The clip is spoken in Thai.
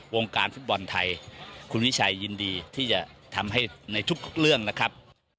วงการฟุตบอลไทยคุณวิชัยยินดีที่จะทำให้ในทุกเรื่องนะครับ